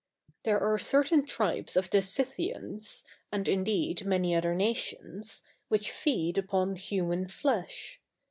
There are certain tribes of the Scythians, and, indeed, many other nations, which feed upon human flesh.